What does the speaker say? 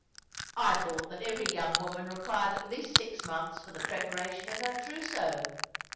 " I thought that every young woman required at least six months for the preparation of her trousseau